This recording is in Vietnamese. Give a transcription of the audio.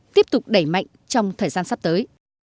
tiếp tục đẩy mạnh trong thời gian sắp tới